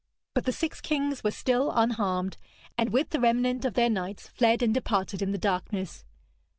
But the six kings were still unharmed, and with the remnant of their knights fled and departed in the darkness.